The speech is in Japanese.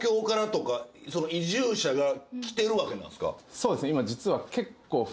そうですね今実は。